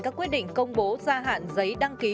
các quyết định công bố gia hạn giấy đăng ký